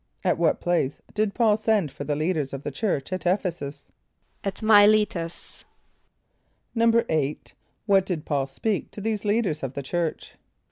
= At what place did P[a:]ul send for the leaders of the church at [)E]ph´e s[)u]s? =At M[=i] l[=e]´tus.= =8.= What did P[a:]ul speak to these leaders of the church?